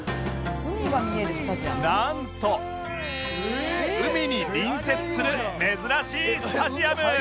なんと海に隣接する珍しいスタジアム